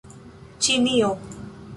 Ĉinio